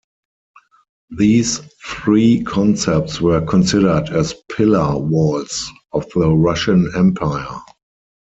These three concepts were considered as "pillar-walls" of the Russian Empire.